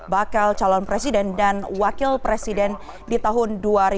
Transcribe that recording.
bakal calon presiden dan wakil presiden di tahun dua ribu dua puluh